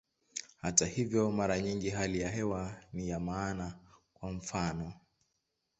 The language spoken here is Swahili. Hata hivyo, mara nyingi hali ya hewa ni ya maana, kwa mfano.